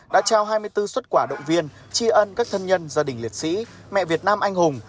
đã trao hai mươi bốn xuất quả động viên tri ân các thân nhân gia đình liệt sĩ mẹ việt nam anh hùng